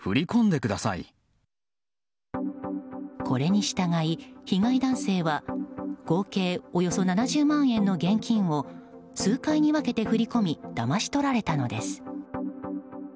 これに従い、被害男性は合計およそ７０万円の現金を数回に分けて振り込みだまし取られたのです。